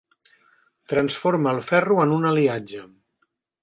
Transforma el ferro en un aliatge.